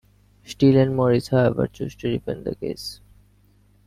Steel and Morris, however, chose to defend the case.